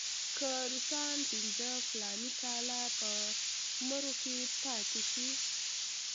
که روسان پنځه فلاني کاله په مرو کې پاتې شي.